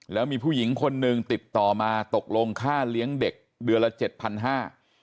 แล้วมีผู้หญิงคนหนึ่งติดต่อมาตกลงค่าเลี้ยงเด็กเดือนละเจ็ดพันห้า